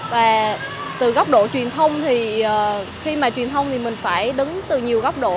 và từ góc độ truyền thông thì khi mà truyền thông thì mình phải đứng từ nhiều góc độ